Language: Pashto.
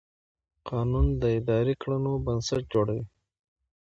قانون د اداري کړنو بنسټ جوړوي.